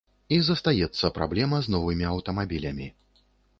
І застаецца праблема з новымі аўтамабілямі.